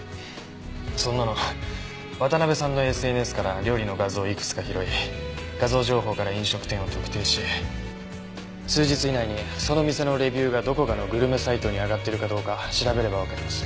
そんなの渡辺さんのＳＮＳから料理の画像をいくつか拾い画像情報から飲食店を特定し数日以内にその店のレビューがどこかのグルメサイトに上がってるかどうか調べればわかります。